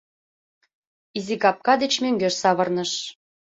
Изигапка деч мӧҥгеш савырныш.